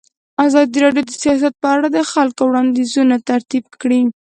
ازادي راډیو د سیاست په اړه د خلکو وړاندیزونه ترتیب کړي.